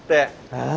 ああ。